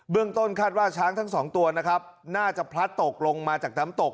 ต้นคาดว่าช้างทั้งสองตัวนะครับน่าจะพลัดตกลงมาจากน้ำตก